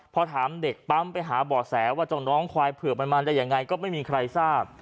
พอถามเด็กปั๊มไปหาบ่อแสว่าเจ้าน้องควายเผือกมันมาได้ยังไงก็ไม่มีใครทราบ